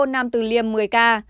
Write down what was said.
ổ dịch nam từ liêm một mươi ca